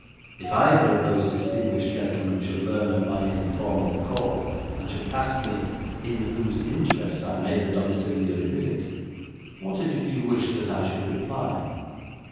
If either of those distinguished gentlemen should learn of my informal call and should ask me in whose interests I made the domiciliary visit, what is it you wish that I should reply?'